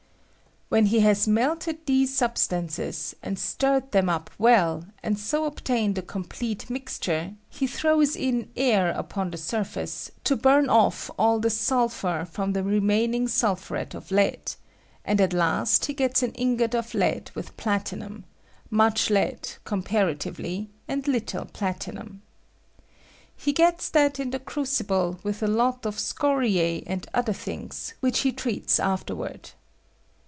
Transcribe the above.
When he has melted these substances, and stirred them up weD, and so obtained a com plete mixture, he throws in air upon the sur face to burn off all the sulphur from the remain ing sulphuret of lead; and at last he gets an ingot of lead with platinum — much lead com paratively, and littie platinum. He gets that in the crucible with a lot of scoria and other 1 J CUPELLATION OF PLATINUM. 203 things, ■which he treats afterward.